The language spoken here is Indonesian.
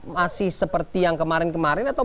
masih seperti yang kemarin kemarin atau